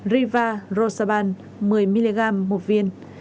rivarosaban một mươi mg một viên